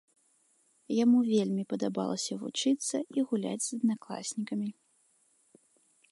Яму вельмі падабалася вучыцца і гуляць з аднакласнікамі.